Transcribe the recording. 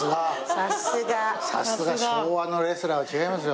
さすが昭和のレスラーは違いますよ。